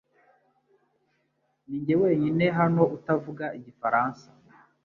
Ninjye wenyine hano utavuga igifaransa